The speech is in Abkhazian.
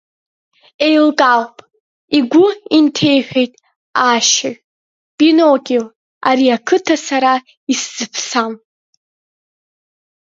Еилкаауп, игәы инҭеиҳәеит аашьаҩ Пиноккио, ари ақыҭа сара исзаԥсам.